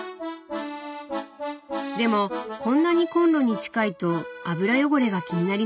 でもこんなにコンロに近いと油汚れが気になりませんか？